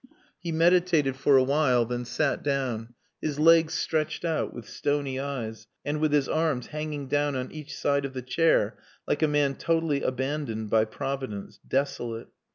He meditated for a while, then sat down, his legs stretched out, with stony eyes, and with his arms hanging down on each side of the chair like a man totally abandoned by Providence desolate.